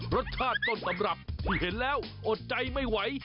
รสชาติต้นตำรับที่เห็นแล้วอดใจไม่ไหว